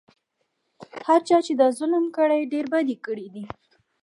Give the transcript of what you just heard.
هر چا چې دا ظلم کړی ډېر بد یې کړي دي.